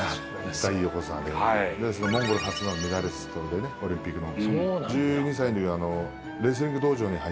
モンゴル初のメダリストでねオリンピックの。